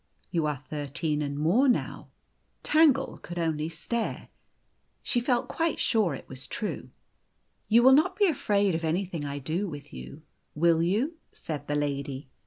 You are thirteen and more now. r Tangle could only stare. She felt quite sure it was true. " You will not be afraid of anything I do with you will you ?" said the lady.